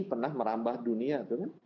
pernah merambah dunia itu kan